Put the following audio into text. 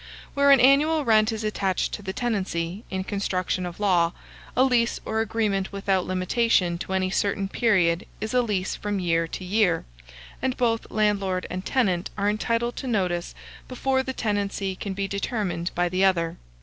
Where an annual rent is attached to the tenancy, in construction of law, a lease or agreement without limitation to any certain period is a lease from year to year, and both landlord and tenant are entitled to notice before the tenancy can be determined by the other.